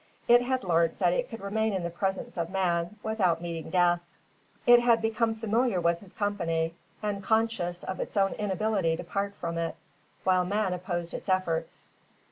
It had learnt that it could remain in the presence of man without meeting death. It had become familiar with his company, and conscious of its own inability to part from it, while man opposed its efforts.